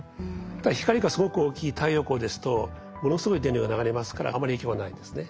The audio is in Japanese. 光がすごく大きい太陽光ですとものすごい電流が流れますからあまり影響はないんですね。